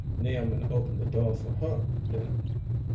"Nealman opened the door for her, then?"